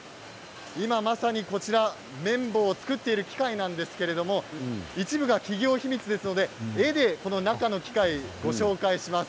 今まさに、こちら綿棒を作っている機械なんですけれど一部、企業秘密ですので絵でこの中の機械をご紹介します。